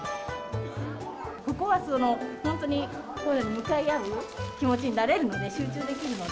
ここは本当に、向かい合う気持ちになれるので、集中できるので。